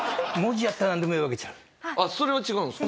あっそれは違うんすか？